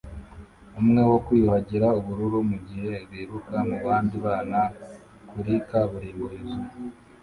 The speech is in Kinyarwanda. umwe wo kwiyuhagira ubururu mugihe biruka mubandi bana kuri kaburimbo yuzuye.